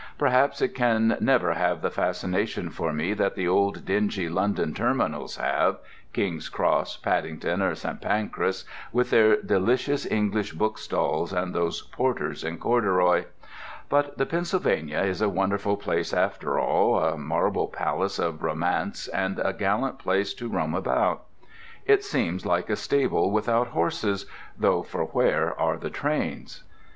Perhaps it can never have the fascination for me that the old dingy London terminals have—King's Cross, Paddington, or Saint Pancras, with their delicious English bookstalls and those porters in corduroy—but the Pennsylvania is a wonderful place after all, a marble palace of romance and a gallant place to roam about. It seems like a stable without horses, though, for where are the trains?